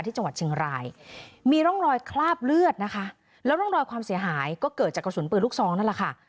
ที่จังหวัดเชียงรายมีร่องรอยคราบเลือดนะคะแล้วร่องรอยความเสียหายก็เกิดจากกระสุนปืนลูกซองนั่นแหละค่ะ